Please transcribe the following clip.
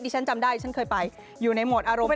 ฉันจำได้ฉันเคยไปอยู่ในโหมดอารมณ์